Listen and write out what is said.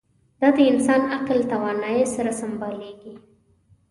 دا د انسان عقل توانایۍ سره سمبالېږي.